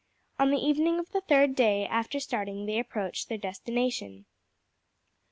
On the evening of the third day after starting they approached their destination.